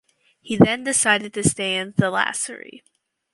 He then decided to stay in Thalassery.